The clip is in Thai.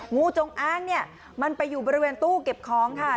งูจงอ้างเนี่ยมันไปอยู่บริเวณตู้เก็บของค่ะ